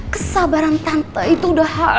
kesabaran tante itu udah